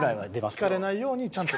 引かれないようにちゃんと。